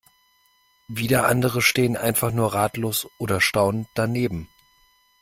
Wieder andere stehen einfach nur ratlos oder staunend daneben.